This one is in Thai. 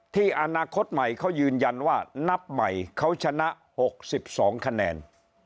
อนาคตใหม่เขายืนยันว่านับใหม่เขาชนะ๖๒คะแนน